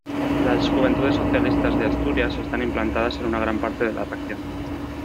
Las Juventudes Socialistas de Asturias están implantadas en una gran parte de la región.